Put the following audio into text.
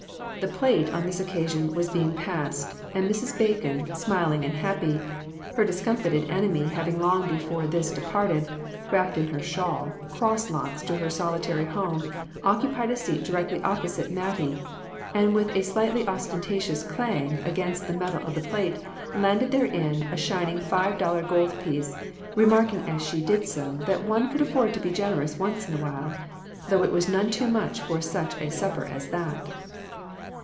The plate on this occasion was being passed, and Mrs. Bacon, smiling and happy, her discom fited enemy having long before this departed, wrapped in her shawl, "cross lots" to her solitary home, occupied a seat directly opposite Mattie, and with a slightly ostentatious clang against the metal of the plate, landed therein a shining five dollar gold piece, remarking as she did so that one could afford to be generous once in awhile, though it was none too much for such a supper as that!